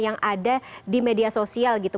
yang ada di media sosial gitu